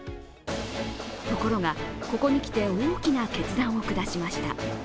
ところが、ここにきて大きな決断を下しました。